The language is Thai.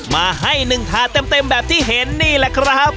มาให้หนึ่งทาเต็มแบบที่เห็นนี่ล่ะครับ